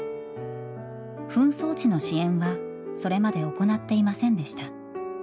紛争地の支援はそれまで行っていませんでした。